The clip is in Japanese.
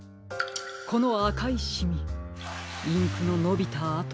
このあかいシミインクののびたあと。